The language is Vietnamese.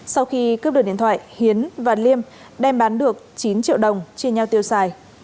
sau khi cướp được điện thoại hiến và liêm đem bán được chín triệu đồng chia nhau tiêu xài